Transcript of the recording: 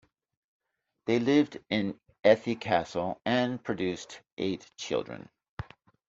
They lived in Ethie Castle and produced eight children.